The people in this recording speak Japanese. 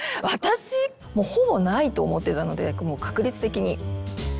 もうほぼないと思ってたのでもう確率的に。